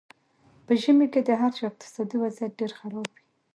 په ژمي کې د هر چا اقتصادي وضیعت ډېر خراب وي.